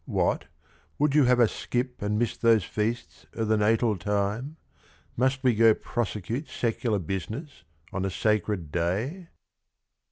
What, would you have us skip and miss those Feasts O' the Natal Time, must we go prosecute Secular business on a sacred day?"